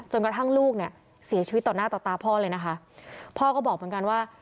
กระทั่งลูกเนี่ยเสียชีวิตต่อหน้าต่อตาพ่อเลยนะคะพ่อก็บอกเหมือนกันว่า